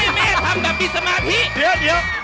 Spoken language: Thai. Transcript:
แม่ทำแบบมีสมาธิเดี๋ยว